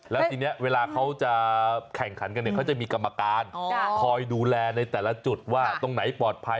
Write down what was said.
แล้วทีนี้เวลาเขาจะแข่งขันกันเนี่ยเขาจะมีกรรมการคอยดูแลในแต่ละจุดว่าตรงไหนปลอดภัย